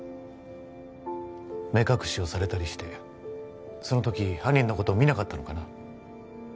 目隠しをされたりしてその時犯人のことを見なかったのかな？